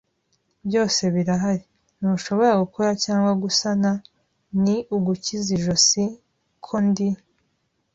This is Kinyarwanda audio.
Byose birahari - ntushobora gukora cyangwa gusana; ni ugukiza ijosi ko ndi